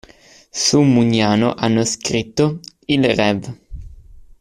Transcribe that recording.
Su Mugnano hanno scritto: il rev.